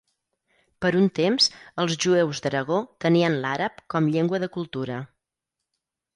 Per un temps els jueus d'Aragó tenien l'àrab com llengua de cultura.